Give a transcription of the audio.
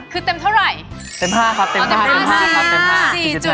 คือเต็มเท่าไรเต็มห้าครับเต็มห้าครับเต็มห้าครับเต็มห้าสี่จุดห้า